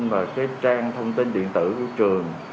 và trang thông tin điện tử của trường